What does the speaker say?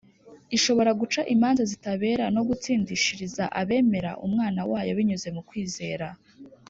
ishobora guca imanza zitabera no gutsindishiriza abemera Umwana wayo binyuze mu kwizera.